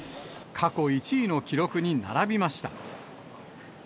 過去１位の記録に並びました。